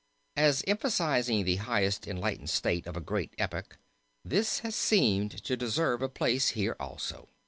As emphasizing the highest enlightened taste of a great epoch this has seemed to deserve a place here also.